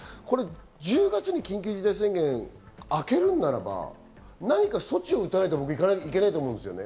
１０月に緊急事態宣言があけるならば、何か措置を打たないといけないと思うんですよね。